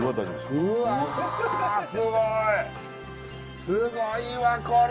うわすごいわこれ。